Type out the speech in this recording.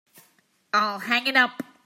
I'll hang it up.